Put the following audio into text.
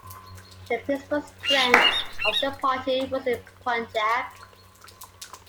The principal strength of the party was in Punjab.